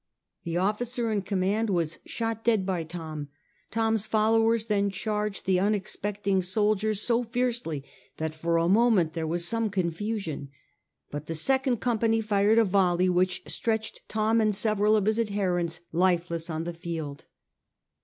Tbe officer in command was shot dead by Thom. Thom's followers then charged the unexpect ing soldiers so fiercely that for a moment there was some confusion ; but the second company fired a volley wMch stretched Thom and several of Ms adherents lifeless on the field.